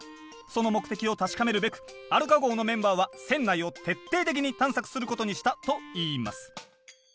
その目的を確かめるべくアルカ号のメンバーは船内を徹底的に探索することにしたといいます。